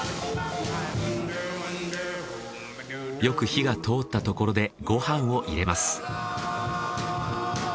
よく火が通ったところでご飯を入れます。